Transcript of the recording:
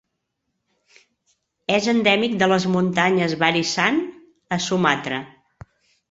És endèmic de les muntanyes Barisan, a Sumatra.